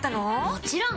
もちろん！